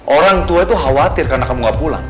orang tua itu khawatir karena kamu gak pulang